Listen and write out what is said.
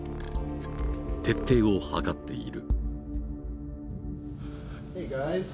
徹底を図っている。